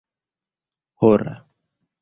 hora